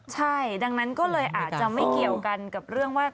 ใช่ดังนั้นก็เลยอาจจะไม่เกี่ยวกันกับเรื่องว่า